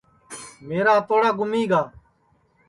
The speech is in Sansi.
میرا ہتوڑا گُمی گا